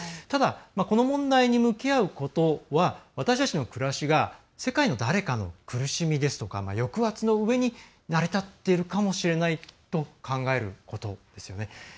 ただ、この問題に向き合うことは私たちの暮らしが世界の誰かの苦しみですとか抑圧の上に成り立っているかもしれないと考えることですよね